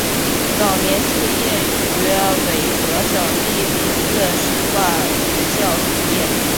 早年肄业于绥德省立第四师范学校肄业。